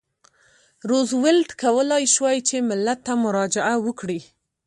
روزولټ کولای شوای چې ملت ته مراجعه وکړي.